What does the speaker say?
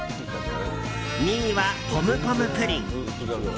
２位はポムポムプリン。